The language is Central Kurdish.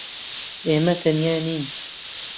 ئێمە تەنیا نین.